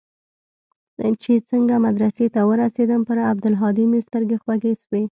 چې څنگه مدرسې ته ورسېدم پر عبدالهادي مې سترګې خوږې سوې.